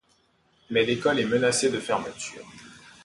Mais l’école est menacée de fermeture.